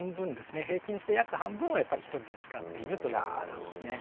平均して約半分はやっぱり一人で使っているということですね。